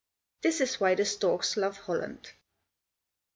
This is why the storks love Holland.